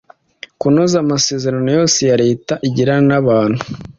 kunoza amasezerano yose leta igirana n'abantu